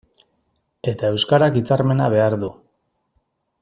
Eta euskarak hitzarmena behar du.